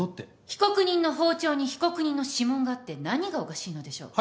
被告人の包丁に被告人の指紋があって何がおかしいのでしょう？